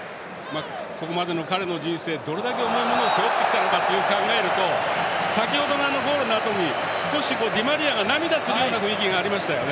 ここまでの彼の人生どれだけ重いものを背負ってきたか考えると、先程のゴールのあとに少しディマリアが涙するような雰囲気がありましたよね。